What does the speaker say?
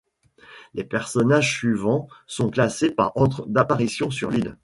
Les personnages suivants sont classés par ordre d'apparition sur l'île.